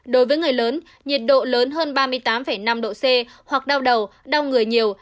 đối với người lớn nhiệt độ lớn hơn ba mươi tám năm độ c hoặc đau đầu đau người nhiều